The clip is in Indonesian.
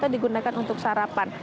digunakan untuk sarapan